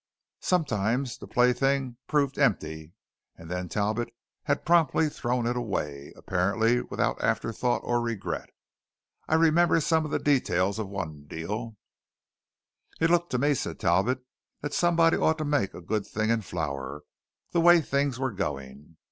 Sometimes the plaything proved empty, and then Talbot had promptly thrown it away, apparently without afterthought or regret. I remember some of the details of one deal: "It looked to me," said Talbot, "that somebody ought to make a good thing in flour, the way things were going.